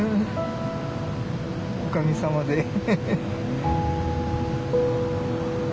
おかげさまで。